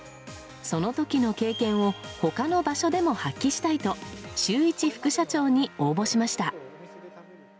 その時の経験を他の場所でも発揮したいと週１副社長に応募しました。